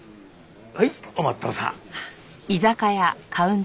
はいおまっとさん。